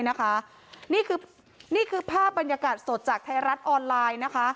นี่คือภาพบรรยากาศสดจากไทยรัฐออนไลน์